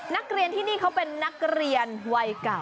นักเรียนที่นี่เขาเป็นนักเรียนวัยเก่า